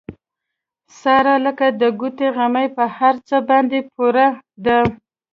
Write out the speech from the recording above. ساره لکه د ګوتې غمی په هر څه باندې پوره ده.